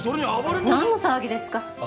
何の騒ぎですか？